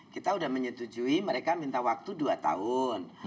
kita sudah menyetujui mereka minta waktu dua tahun